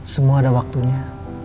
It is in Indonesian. semua ada waktunya